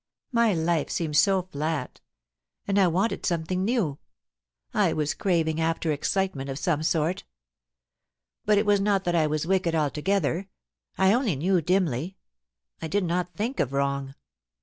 My life seemed so flat — and I wanted something new. I was craving after excitement of some soit.^ ..• But it was not that I was wicked altogether. I only knew dimly ; I did not think of wrong.